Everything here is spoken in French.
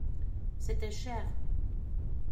C’était cher.